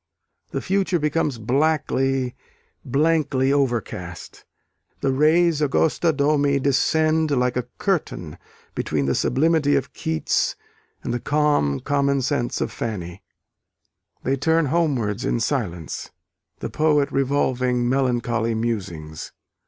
The future becomes blackly, blankly overcast; the res augusta domi descend like a curtain between the sublimity of Keats and the calm commonsense of Fanny. They turn homewards in silence, the poet revolving melancholy musings.